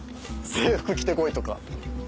制服着て来いとか。